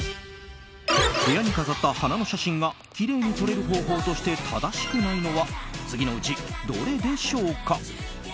部屋に飾った花の写真がきれいに撮れる方法として正しくないのは次のうちどれでしょうか？